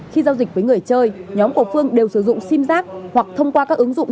khi giao dịch với người chơi nhóm của phương đều sử dụng sim giác hoặc thông qua các ứng dụng